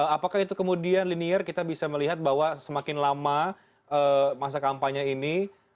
apakah itu kemudian linear kita bisa melihat bahwa semakin lama masa kampanye ini